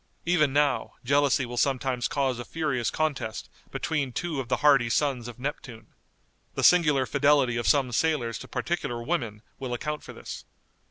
Even now, jealousy will sometimes cause a furious contest between two of the hardy sons of Neptune. The singular fidelity of some sailors to particular women will account for this.